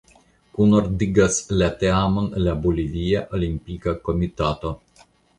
Kunordigas la teamon la Bolivia Olimpika Komitato.